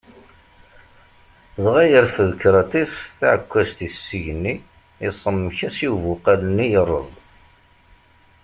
Dɣa yerfed Kratis taɛekkazt-is s igenni iṣemmek-as i ubuqal-nni yerreẓ.